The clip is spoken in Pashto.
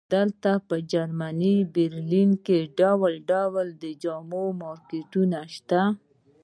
دلته په جرمني برلین کې ډول ډول د جامو مارکونه شته